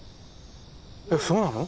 えそうなの？